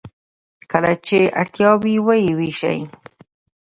کله چې اړتیا وي و یې ویشي.